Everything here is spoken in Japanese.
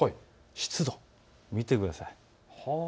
湿度を見てください。